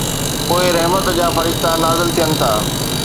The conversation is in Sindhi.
پوءِ رحمت جا فرشتا نازل ٿين ٿا.